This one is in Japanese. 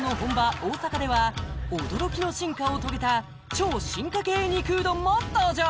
大阪では驚きの進化を遂げた超進化系肉うどんも登場！